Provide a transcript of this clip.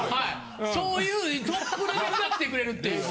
そういうトップレベルが来てくれるっていう。